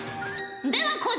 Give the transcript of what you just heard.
では小島。